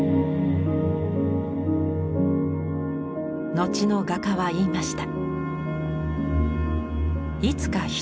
後の画家は言いました。